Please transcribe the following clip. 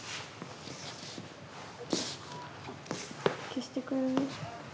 消してくれる？